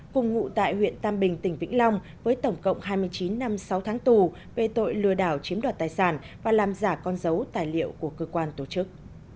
cùng ngụ tại huyện tam bình tỉnh vĩnh long với tổng cộng hai mươi chín năm sáu tháng tù về tội lừa đảo chiếm đoạt tài sản và làm giả con dấu tài liệu của cơ quan tổ chức